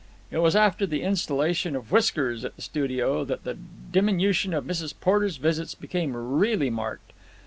It was after the installation of Whiskers at the studio that the diminution of Mrs. Porter's visits became really marked.